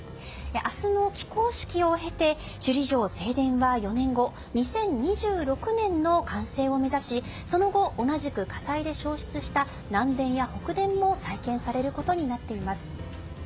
明日の起工式を経て首里城正殿は４年後２０２６年の完成を目指しその後、同じく火災で焼失した南殿や北殿も再建されることになっています。